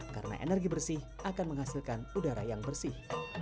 karena energi bersih akan menghasilkan udara yang bersih